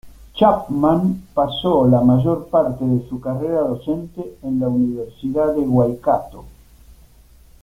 Chapman pasó la mayor parte de su carrera docente en la Universidad de Waikato.